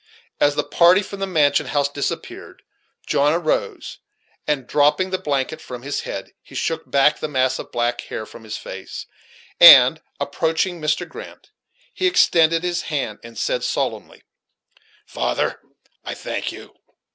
As the party from the mansion house disappeared, John arose, and, dropping the blanket from his head, he shook back the mass of black hair from his face, and, approaching Mr. Grant, he extended his hand, and said solemnly: "Father, I thank you.